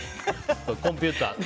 コンピューター。